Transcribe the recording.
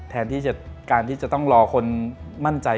แทนที่การที่จะต้องรอคนมั่นใจ